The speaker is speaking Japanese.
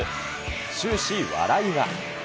終始笑いが。